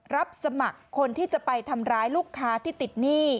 รับสมัครคนที่จะไปทำร้ายลูกค้าที่ติดหนี้